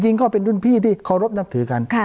จริงก็เป็นรุ่นพี่ที่โครบนับถือกัน